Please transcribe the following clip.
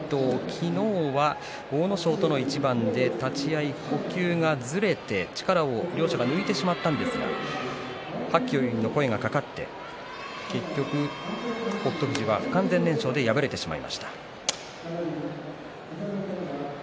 昨日は阿武咲との一番で立ち合いの呼吸がずれて両者が力を抜いてしまったんですがはっきよいの声がかかって結局、北勝富士は不完全燃焼で敗れてしまいました。